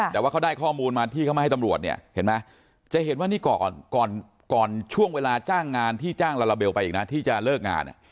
แต่ว่าเขาได้ข้อมูลมาที่เขามาให้ตำรวจเนี่ยเห็นไหมจะเห็นว่านี่ก่อนก่อนช่วงเวลาจ้างงานที่จ้างลาลาเบลไปอีกนะที่จะเลิกงาน